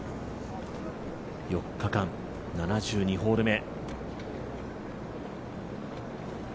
４日間、７２ホール目。